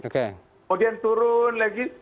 kemudian turun lagi